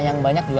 nanti siapa adegu